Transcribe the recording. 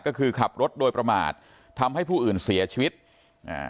ก็คือขับรถโดยประมาททำให้ผู้อื่นเสียชีวิตอ่า